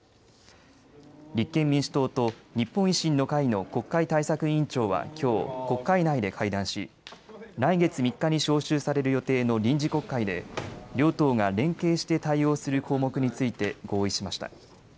立憲民主党と日本維新の会の国会対策委員長はきょう国会内で会談し、来月３日に召集される予定の臨時国会で両党が連携して対応する項目について合意しました。